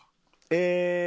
ええ。